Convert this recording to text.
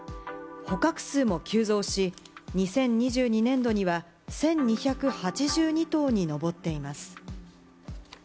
捕獲数も急増し、２０２２年度には１２８２頭に上っています。